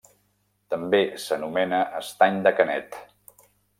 També s'anomena estany de Canet.